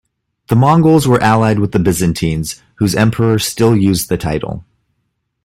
The Mongols were allied with the Byzantines, whose emperor still used the title.